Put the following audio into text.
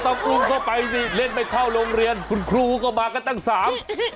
ก็ต้องอุ่มเข้าไปสิเล่นไปเข้าโรงเรียนคุณครูก็มาก็ตั้ง๓